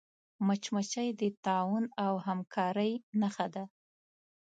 مچمچۍ د تعاون او همکاری نښه ده